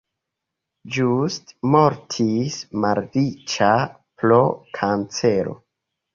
Just mortis malriĉa pro kancero.